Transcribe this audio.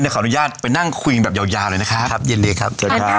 ขออนุญาตได้นั่งคุยแบบยาวเลยนะครับเย็นดีครับ